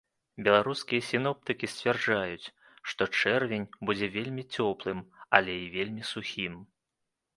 Беларускія сіноптыкі сцвярджаюць, што чэрвень будзе вельмі цёплым, але і вельмі сухім.